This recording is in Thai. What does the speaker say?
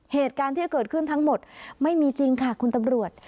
เหตุการณ์ที่เกิดขึ้นทั้งหมดไม่มีจริงค่ะคุณตำรวจ